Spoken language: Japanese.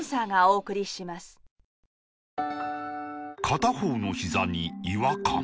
片方のひざに違和感